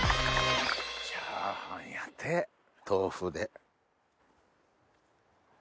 チャーハンやて豆腐で。